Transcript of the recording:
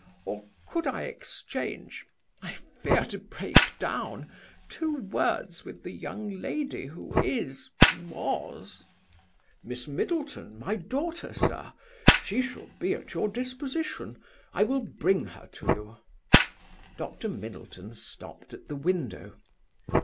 Or could I exchange I fear to break down two words with the young lady who is, was ..." "Miss Middleton, my daughter, sir? She shall be at your disposition; I will bring her to you." Dr. Middleton stopped at the window.